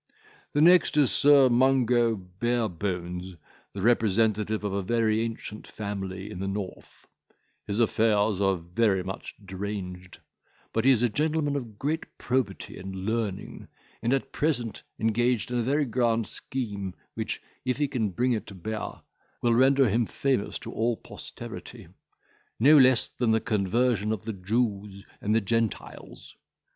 "The next is Sir Mungo Barebones, the representative of a very ancient family in the north; his affairs are very much deranged, but he is a gentleman of great probity and learning, and at present engaged in a very grand scheme, which, if he can bring it to bear, will render him famous to all posterity; no less than the conversion of the Jews and the Gentiles.